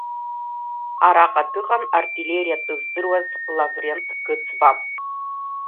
Араҟа дыҟан артиллериа атәы здыруаз Лаврент Гыцба.